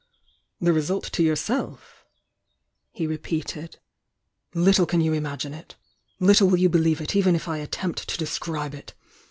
The result to yourself?" he repeated. "Little can you imagine it!— little will you believe it even if I attempt to describe it!